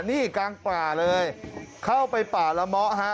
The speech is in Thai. นี่กลางป่าเลยเข้าไปป่าละเมาะฮะ